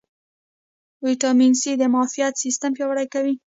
ویټامین سي د معافیت سیستم پیاوړی کوي